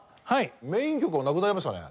メイン曲がなくなりましたね。